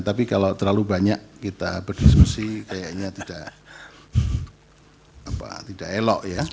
tapi kalau terlalu banyak kita berdiskusi kayaknya tidak elok ya